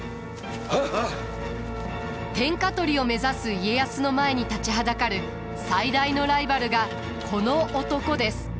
天下取りを目指す家康の前に立ちはだかる最大のライバルがこの男です。